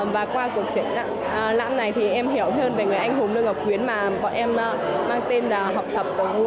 và qua cuộc triển lãm này thì em hiểu hơn về người anh hùng lương ngọc quyến mà bọn em mang tên là học tập đồng